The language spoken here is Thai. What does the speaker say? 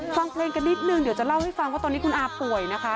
ฟังเพลงกันนิดนึงเดี๋ยวจะเล่าให้ฟังว่าตอนนี้คุณอาป่วยนะคะ